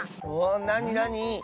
なになに？